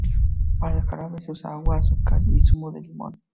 Para el jarabe se usa agua, azúcar y zumo de limón.